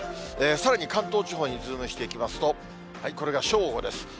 さらに関東地方にズームしていきますと、これが正午です。